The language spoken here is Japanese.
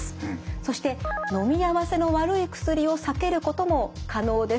そしてのみ合わせの悪い薬を避けることも可能です。